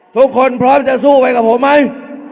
ทุกคนพร้อมจะสู้ไว้กับผมไหม